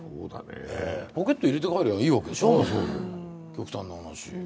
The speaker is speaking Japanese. ポケット入れて帰ればいいわけでしょう、極端な話。